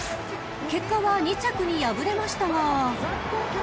［結果は２着に敗れましたが］